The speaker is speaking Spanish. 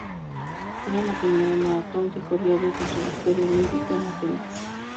Era la primera maratón que corría desde su victoria olímpica en Atenas.